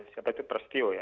siapa itu prestio ya